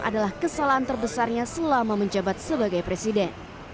adalah kesalahan terbesarnya selama menjabat sebagai presiden